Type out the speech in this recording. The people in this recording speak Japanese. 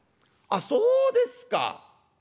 あっそうですか。